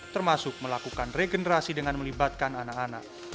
termasuk melakukan regenerasi dengan melibatkan anak anak